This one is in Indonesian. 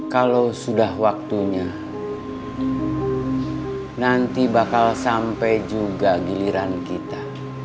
kalau sudah waktunya nanti bakal sampai juga giliran kita